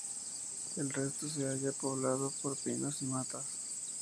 El resto se halla poblado por pinos y matas.